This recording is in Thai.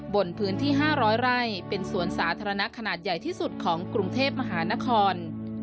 บนพื้นที่๕๐๐ไร่เป็นสวนสาธารณะขนาดใหญ่ที่สุดของกรุงเทพมหานคร